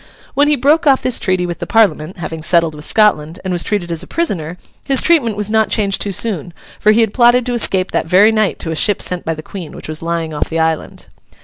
When he broke off this treaty with the Parliament (having settled with Scotland) and was treated as a prisoner, his treatment was not changed too soon, for he had plotted to escape that very night to a ship sent by the Queen, which was lying off the island.